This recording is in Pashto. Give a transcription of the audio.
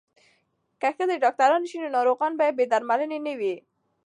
که ښځې ډاکټرانې شي نو ناروغان به بې درملنې نه وي.